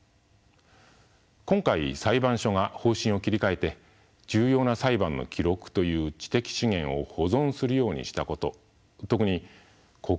今回裁判所が方針を切り替えて重要な裁判の記録という知的資源を保存するようにしたこと特に国民の財産だと宣言したことは意義